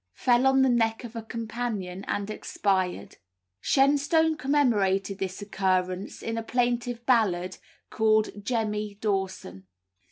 fell on the neck of a companion and expired. Shenstone commemorated this occurrence in a plaintive ballad called "Jemmy Dawson."